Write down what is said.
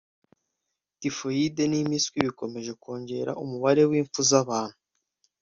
typhoid n’impiswei bikomeza kongera umubare w’impfu z’abantu